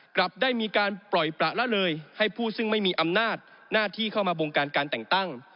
กลับได้มีการปล่อยประละเลยให้ผู้ซึ่งไม่มีอำนาจหน้าที่เข้ามาบงการการแต่งตั้ง